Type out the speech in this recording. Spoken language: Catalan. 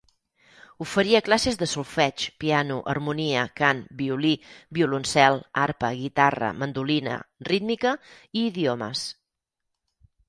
Oferia classes de solfeig, piano, harmonia, cant, violí, violoncel, arpa, guitarra, mandolina, rítmica i idiomes.